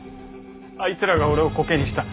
あいつらが俺をコケにした。